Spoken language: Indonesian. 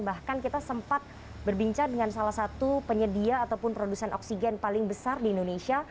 bahkan kita sempat berbincang dengan salah satu penyedia ataupun produsen oksigen paling besar di indonesia